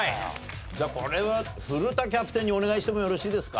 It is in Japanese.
じゃあこれは古田キャプテンにお願いしてもよろしいですか？